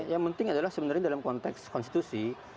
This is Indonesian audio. yang penting adalah sebenarnya dalam konteks konstitusi